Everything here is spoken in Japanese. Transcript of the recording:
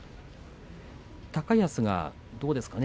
高安はどうですかね。